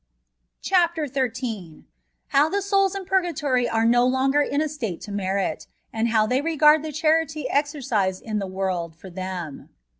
CHAPTER XIII. HOW THE SOULS IN PURGATORY ARB NO LONOER IN A STATE TO HERIT, AND HOW THET REGARD THE CHARITT EXERCISED IN THE WORLD POR THEM.